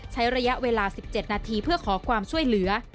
ใช้ระยะเวลา๑๗นาทีเพื่อขอความช่วยเหลือ